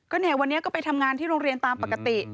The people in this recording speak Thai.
ก็เนี่ยวันนี้ก็ไปทำงานที่โรงเรียนตามปกติ